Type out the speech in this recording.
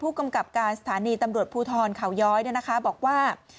กำกับการสถานีตำรวจภูทรเขาย้อยบอกว่า